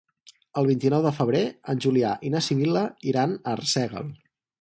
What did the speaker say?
El vint-i-nou de febrer en Julià i na Sibil·la iran a Arsèguel.